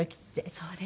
そうですね。